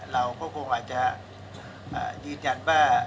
เราก็คงอาจจะยืนยันว่า